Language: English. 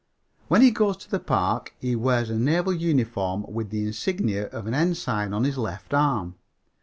When he goes to the park he wears a naval uniform with the insignia of an ensign on his left arm.